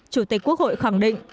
chủ tịch quốc hội khẳng định